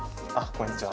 こんにちは。